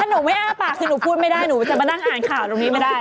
หนูไม่อ้าปากคือหนูพูดไม่ได้หนูจะมานั่งอ่านข่าวตรงนี้ไม่ได้